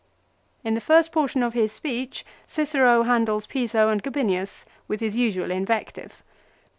In the first portion of his speech Cicero handles Piso and Gabinius with his usual invective.